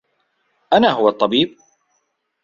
أنا هو الطّبيب.